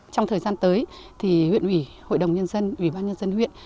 trong thời gian tới thì huyện ủy hội đồng nhân dân ủy ban nhân dân huyện